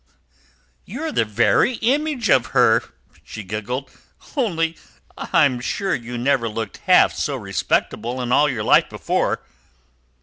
"You're the very image of her," she giggled, "only I'm sure you never looked half so respectable in all your life before.